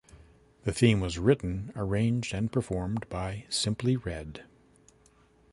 The theme was written, arranged and performed by Simply Red.